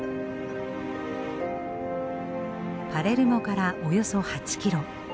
パレルモからおよそ８キロ。